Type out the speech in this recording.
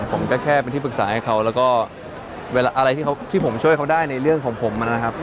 ผมก็แค่เป็นที่ปรึกษาให้เขาแล้วก็เวลาอะไรที่ผมช่วยเขาได้ในเรื่องของผมนะครับ